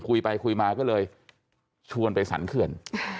คุยไปคุยมาก็เลยชวนไปสรรเขื่อน